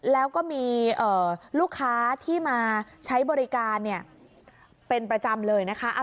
แล้วก็มีลูกค้าที่มาใช้บริการเป็นประจำเลยนะคะ